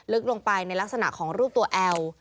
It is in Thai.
ลึกลงไปในลักษณะของรูปตัวแอล